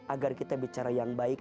agar kita bicara yang baik